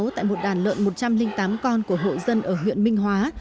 tại một đàn lợn một trăm linh tám con của hộ dân ở huyện minh hóa